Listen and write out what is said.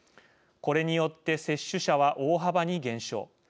これによって接種者は大幅に減少。